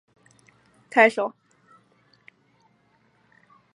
太守怀恨而将他捕拿。